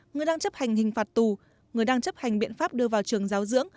người đang chấp hành hình phạt tù người đang chấp hành biện pháp đưa vào trường giáo dưỡng